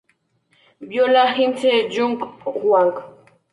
Viola: Hsin-Yun Huang.